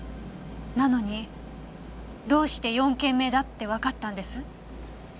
なのにどうして４件目だってわかったんです？